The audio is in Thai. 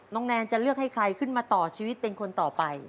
แนนจะเลือกให้ใครขึ้นมาต่อชีวิตเป็นคนต่อไป